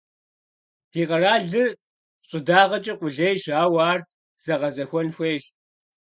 Ди къэралыр щӀыдагъэкӀэ къулейщ, ауэ ар зэгъэзэхуэн хуейщ.